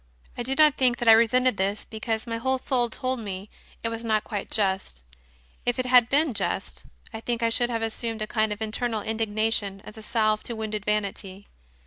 I do not think that I resented this, because my whole soul told me it was not quite just; if it had been just, I think I should have assumed a kind of internal indignation as a salve to wounded vanity.